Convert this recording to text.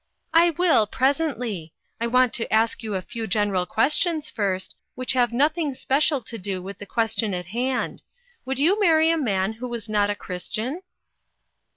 "I will, presently. I want to ask you a few general questions first, which have noth ing special to do with the question at hand. Would you marry a man who was not a Christian